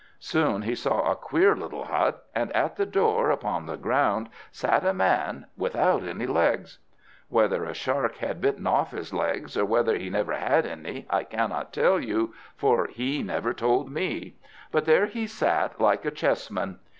Soon he saw a queer little hut, and at the door, upon the ground, sat a man without any legs. Whether a shark had bitten off his legs, or whether he never had any, I cannot tell you, for he never told me; but there he sat, like a chessman.